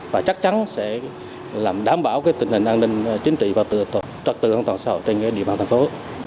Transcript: và chắc chắn sẽ làm đảm bảo tình hình an ninh chính trị và trật tự an toàn xã hội trên địa bàn thành phố